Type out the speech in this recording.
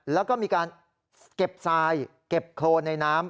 แล้วก็มีการเก็บทรายเก็บโครนในน้ำ